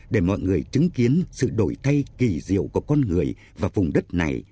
để mọi người chứng kiến sự đổi thay kỳ diệu của con người và vùng đất này